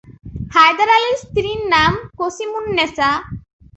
হায়দার আলীর স্ত্রীর নাম কসিমুন্নেসা।